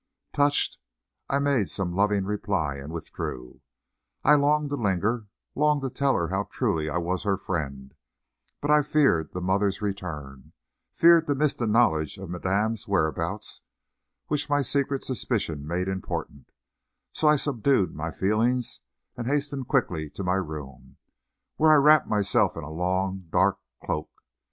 Touched, I made some loving reply, and withdrew. I longed to linger, longed to tell her how truly I was her friend; but I feared the mother's return feared to miss the knowledge of madame's whereabouts, which my secret suspicion made important; so I subdued my feelings and hastened quickly to my room, where I wrapped myself in a long, dark cloak.